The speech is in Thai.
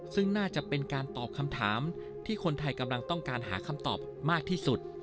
ซึ่งน่าจะเป็นการตอบคำถามที่คนไทยกำลังต้องการหาคำตอบมากที่สุด